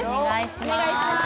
お願いします